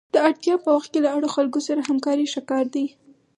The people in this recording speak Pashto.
د اړتیا په وخت کې له اړو خلکو سره همکاري ښه کار دی.